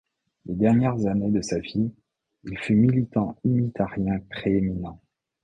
Les dernières années de sa vie, il fut militant unitarien prééminent.